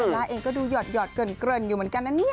ล่าเองก็ดูหยอดเกินอยู่เหมือนกันนะเนี่ย